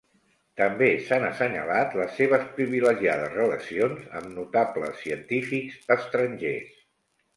També s'han assenyalat les seves privilegiades relacions amb notables científics estrangers.